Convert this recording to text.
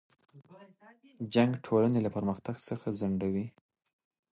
جنګ د ټولنې له پرمختګ څخه ځنډوي.